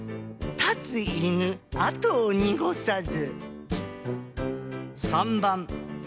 「立つ鳥跡を濁さず」。